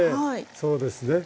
そうですね。